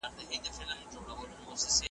طبیعت د انسان لپاره ارزښت لري.